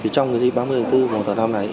trong dịp bốn mươi bốn mùa tháng năm này